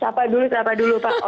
sapa dulu sapa dulu pak